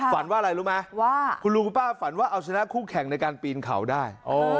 ฝันว่าอะไรรู้ไหมว่าคุณลุงคุณป้าฝันว่าเอาชนะคู่แข่งในการปีนเขาได้